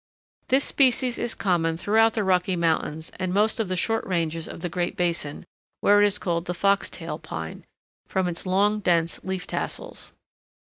This species is common throughout the Rocky Mountains and most of the short ranges of the Great Basin, where it is called the Fox tail Pine, from its long dense leaf tassels.